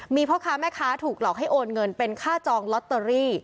มีพ่อค้าแม่ค้าถูกหลอกให้โอนเงินเป็นค่าจองลอตเตอรี่